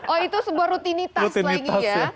oh itu sebuah rutinitas lagi ya